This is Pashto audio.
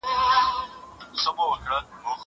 زه به سبا کالي وچوم وم!؟